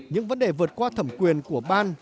những vấn đề vượt qua thẩm quyền của ban